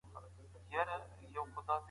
زه به سبا د کور کالي مينځم.